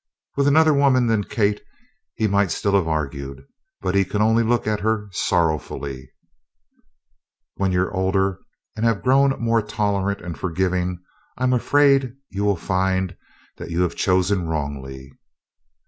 With another woman than Kate he might still have argued. But he could only look at her sorrowfully: "When you are older, and have grown more tolerant and forgiving, I'm afraid you will find that you have chosen wrongly."